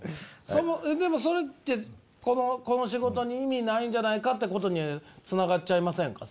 そのでもそれってこの仕事に意味ないんじゃないかってことにつながっちゃいませんか？